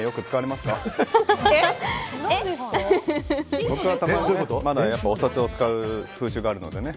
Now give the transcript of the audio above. まだお札を使う風習があるのでね。